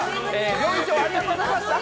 料理長ありがとうございました。